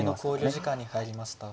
考慮時間に入りました。